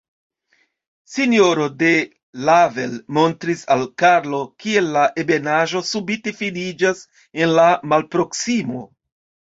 Sinjororo de Lavel montris al Karlo, kiel la ebenaĵo subite finiĝas en la malproksimo.